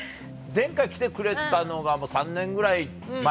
前回来てくれたのがもう３年ぐらい前。